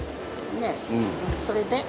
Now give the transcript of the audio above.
ねえ、それで？